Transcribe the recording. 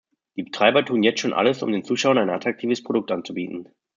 Die Betreiber tun jetzt schon alles, um den Zuschauern ein attraktives Produkt anzubieten.